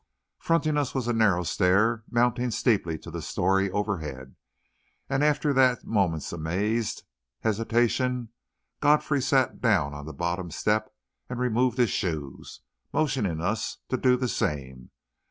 Fronting us was a narrow stair mounting steeply to the story overhead, and, after that moment's amazed hesitation, Godfrey sat down on the bottom step and removed his shoes, motioning us to do the same.